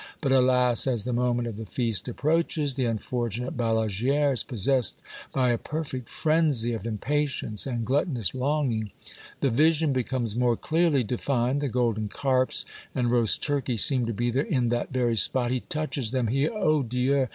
But, alas ! as the moment of the feast ap proaches, the unfortunate Balagu^re is possessed by a perfect frenzy of impatience and gluttonous longing. The vision becomes more clearly de fined, the golden carps and roast turkeys seem to be there, in that very spot ! He touches them, he — oh ! Dieu !